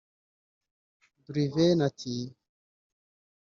Druiven ati